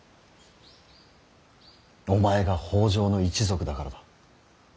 お前が北条の一族だからだ。